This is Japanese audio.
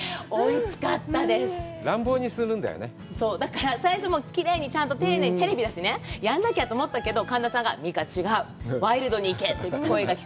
だから、最初、きれいにちゃんと、丁寧に、テレビだしね、やらないとと思ったけど、神田さんが美佳、違う、ワイルドにいけ！